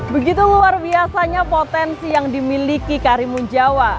begitu luar biasanya potensi yang dimiliki karimun jawa